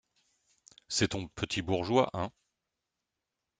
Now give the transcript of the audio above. C'est ton petit bourgeois, hein?